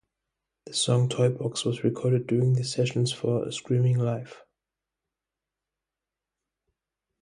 The song "Toy Box" was recorded during the sessions for "Screaming Life".